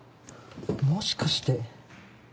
もしかして。